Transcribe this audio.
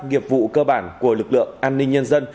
nghiệp vụ cơ bản của lực lượng an ninh nhân dân